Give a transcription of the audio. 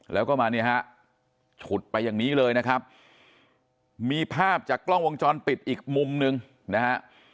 แล้วก็มาเนี่ยฮะฉุดไปอย่างนี้เลยนะครับมีภาพจากกล้องวงจรปิดอีกมุมหนึ่งนะฮะ